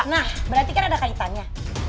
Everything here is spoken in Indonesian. nah berarti kan ada kaitannya